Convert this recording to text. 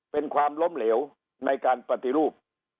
เป็นความล้มเหลวในการปฏิรูป